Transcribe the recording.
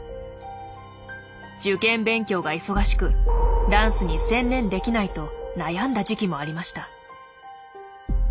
受験勉強が忙しくダンスに専念できないと悩んだ時期もありました。